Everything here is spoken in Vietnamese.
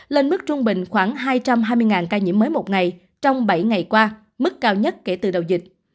lên mức trung bình khoảng hai trăm hai mươi ca nhiễm mới một ngày trong bảy ngày qua mức cao nhất kể từ đầu dịch